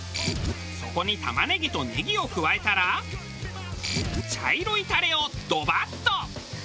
そこに玉ねぎとネギを加えたら茶色いタレをドバッと。